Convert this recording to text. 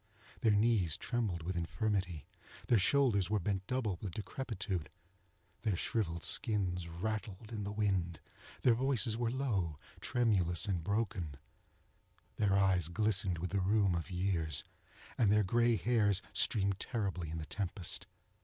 Their knees trembled with infirmity; their shoulders were bent double with decrepitude; their shrivelled skins rattled in the wind; their voices were low, tremulous and broken; their eyes glistened with the rheum of years; and their gray hairs streamed terribly in the tempest.